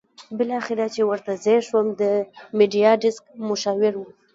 بالاخره چې ورته ځېر شوم د میډیا ډیسک مشاور وو.